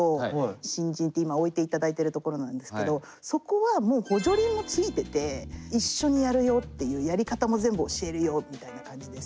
新人って今置いていただいてるところなんですけどそこはもう補助輪も付いてて一緒にやるよっていうやり方も全部教えるよみたいな感じです。